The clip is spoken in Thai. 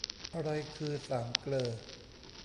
อะไรคือสามเกลอ